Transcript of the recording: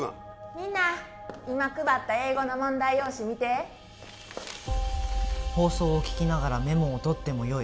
みんな今配った英語の問題用紙見て「放送を聞きながらメモを取ってもよい」